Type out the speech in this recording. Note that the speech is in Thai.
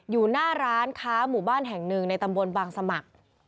อยู่หน้าร้านค้าหมู่บ้านแห่งหนึ่งในตำบลบางสมัคร